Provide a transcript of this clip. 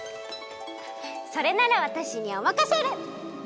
それならわたしにおまかシェル！